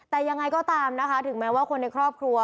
แต่ยังไงก็ตามนะคะถึงแม้ว่าคนในครอบครัว